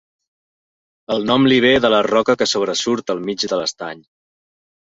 El nom l'hi ve de la roca que sobresurt al mig de l'estany.